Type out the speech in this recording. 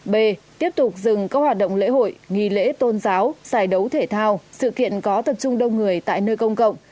b tiếp tục dừng các hoạt động lễ hội nghi lễ tôn giáo giải đấu thể thao sự kiện có tập trung đông người tại nơi công cộng